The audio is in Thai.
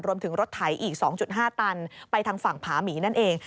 รวมถึงรถไถอีก๒๕ตันไปทางฝั่งผาหมีนั่นเอง